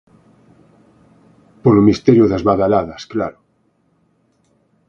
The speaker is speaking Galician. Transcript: Polo Misterio das badaladas, claro.